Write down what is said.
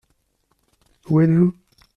Où êtes-vous ?